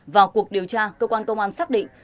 vào cuộc điều tra cơ quan công an xác định